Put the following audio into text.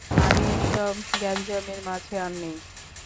আমি এসব গ্যাঞ্জামের মাঝে আর নেই।